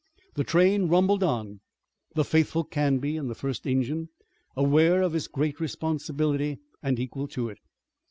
The train rumbled on, the faithful Canby in the first engine aware of his great responsibility and equal to it.